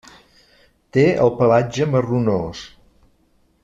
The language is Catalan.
Té el pelatge marronós.